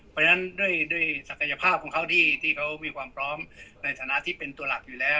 เพราะฉะนั้นด้วยศักยภาพของเขาที่เขามีความพร้อมในฐานะที่เป็นตัวหลักอยู่แล้ว